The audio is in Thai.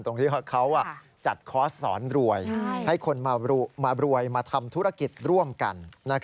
ตรงที่เขาจัดคอร์สสอนรวยให้คนมารวยมาทำธุรกิจร่วมกัน